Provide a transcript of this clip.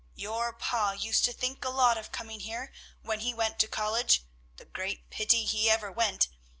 Your pa used to think a lot of coming here when he went to college the great pity he ever went.